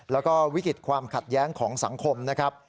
แล้วก็วิกฤตความขัดแย้งของสังคมนะครับ